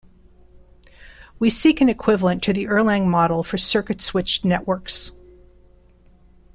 We seek an equivalent to the Erlang model for circuit switched networks.